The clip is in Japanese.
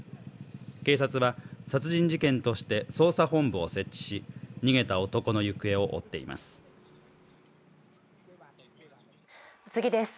警察は殺人事件として捜査本部を設置し逃げた男の行方を追っています。